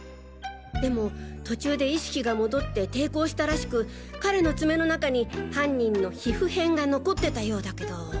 でも途中で意識が戻って抵抗したらしく彼の爪の中に犯人の皮膚片が残ってたようだけど。